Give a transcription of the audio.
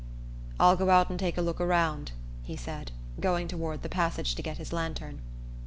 "I'll go out and take a look around," he said, going toward the passage to get his lantern.